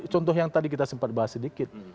contoh yang tadi kita sempat bahas sedikit